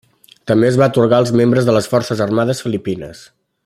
També es va atorgar als membres de les Forces Armades Filipines.